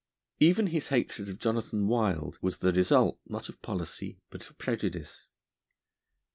Even his hatred of Jonathan Wild was the result not of policy but of prejudice.